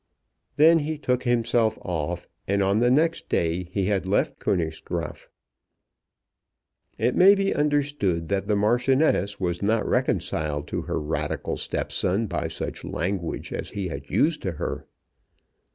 Then he took himself off, and on the next day he had left Königsgraaf. It may be understood that the Marchioness was not reconciled to her radical stepson by such language as he had used to her.